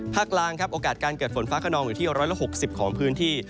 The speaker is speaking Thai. กลางครับโอกาสการเกิดฝนฟ้าขนองอยู่ที่๑๖๐ของพื้นที่